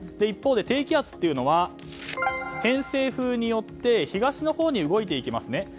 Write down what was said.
一方で、低気圧というのは偏西風によって東のほうに動いていきますね。